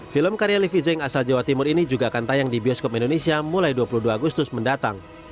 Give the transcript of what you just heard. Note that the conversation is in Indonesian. film karya livi zeng asal jawa timur ini juga akan tayang di bioskop indonesia mulai dua puluh dua agustus mendatang